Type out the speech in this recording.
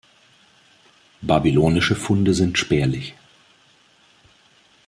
Babylonische Funde sind spärlich.